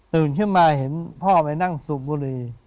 ขึ้นมาเห็นพ่อไปนั่งสูบบุรี